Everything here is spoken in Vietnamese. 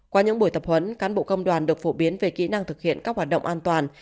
qua những buổi tập huấn cán bộ công đoàn được phổ biến về kỹ năng thực hiện các hoạt động an toàn